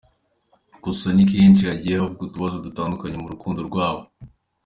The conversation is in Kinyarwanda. Gusa ni na kenshi hagiye havugw utubazo dutandukanye mu rukundo rwabo.